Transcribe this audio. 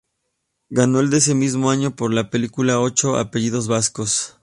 Ganó el de ese mismo año por la película "Ocho apellidos vascos".